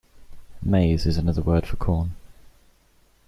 Maize is another word for corn